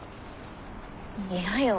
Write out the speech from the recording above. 嫌よ。